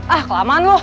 ah kelamaan lu